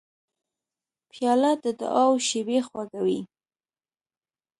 پیاله د دعاو شېبې خوږوي.